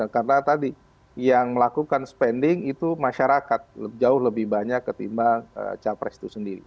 karena tadi yang melakukan spending itu masyarakat jauh lebih banyak ketimbang capres itu sendiri